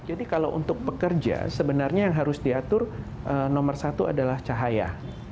jadi kalau untuk pekerja sebenarnya yang harus diatur nomor satu adalah cahaya